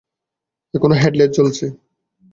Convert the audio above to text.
এখনও তো হেডলাইট জ্বলছে।